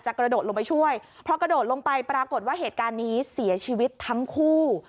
กระโดดลงไปช่วยพอกระโดดลงไปปรากฏว่าเหตุการณ์นี้เสียชีวิตทั้งคู่